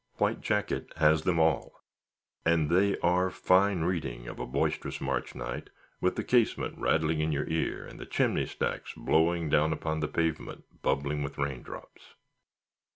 White Jacket has them all; and they are fine reading of a boisterous March night, with the casement rattling in your ear, and the chimney stacks blowing down upon the pavement, bubbling with rain drops.